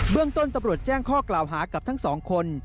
เบื้องต้นตะปรดแจ้งข้อกล่าวหากับทั้ง๒คน